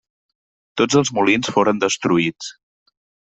Tots els molins foren destruïts.